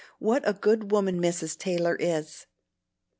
What a good woman Mrs. Taylor is!"